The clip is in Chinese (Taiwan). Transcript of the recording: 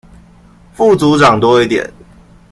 副組長多一點